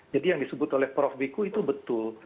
jadi yang disebut oleh prof wiku itu betul